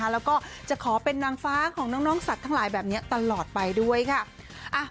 แล้วก็จะขอเป็นนางฟ้าของน้องสัตว์ทั้งหลายแบบนี้ตลอดไปด้วยค่ะ